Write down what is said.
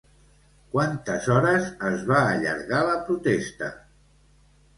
Quantes hores es va allargar la protesta?